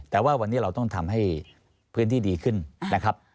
แต่ว่าวันนี้เราต้องทำให้พื้นที่ดีขึ้นนะครับ